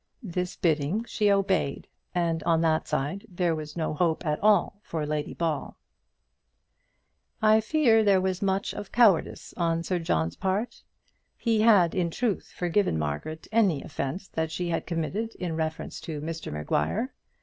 This bidding she obeyed, and on that side there was no hope at all for Lady Ball. I fear there was much of cowardice on Sir John's part. He had, in truth, forgiven Margaret any offence that she had committed in reference to Mr Maguire.